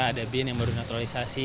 ada bin yang baru naturalisasi